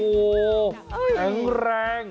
โอ้โหแข็งแรง